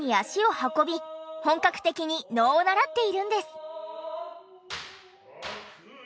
本格的に能を習っているんです。